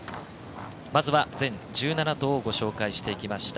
まずは全１７頭をご紹介していきました。